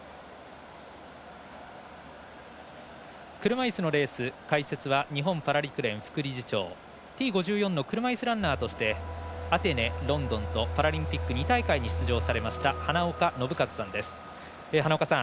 車いすのレース、解説は日本パラ陸連副理事長Ｔ５２の車いすランナーとしてアテネ、ロンドンとパラリンピック２大会に出場されました花岡伸和さんです。